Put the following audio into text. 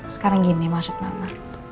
sekarang gini maksud mama